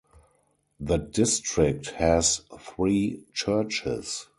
The district has three churches.